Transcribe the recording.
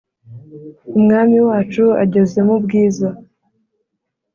umwami wacu ageze mu bwiza